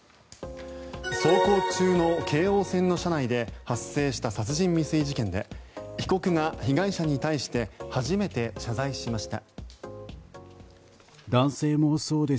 走行中の京王線の車内で発生した殺人未遂事件で被告が被害者に対して初めて謝罪しました。